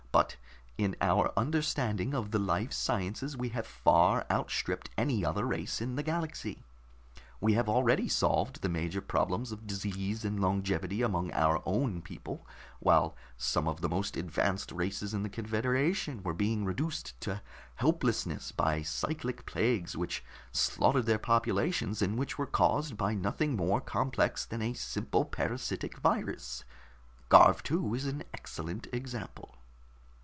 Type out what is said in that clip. But in our understanding of the life sciences, we have far outstripped any other race in the galaxy. We had already solved the major problems of disease and longevity among our own people, while some of the most advanced races in the confederation were being reduced to helplessness by cyclic plagues which slaughtered their populations, and were caused by nothing more complex than a simple parasitic virus. Garv II is an excellent example."